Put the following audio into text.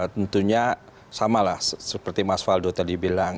tentunya sama lah seperti mas waldo tadi bilang